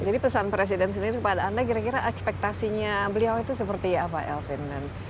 jadi pesan presiden sendiri kepada anda kira kira ekspektasinya beliau itu seperti apa elvin